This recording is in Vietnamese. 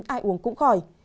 ai uống cũng khỏi